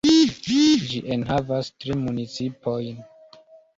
Ĝi enhavas tri municipojn.